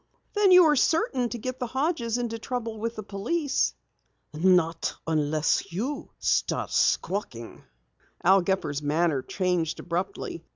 "Then you are certain to get the Hodges into trouble with the police." "Not unless you start squawking." Al Gepper's manner changed abruptly.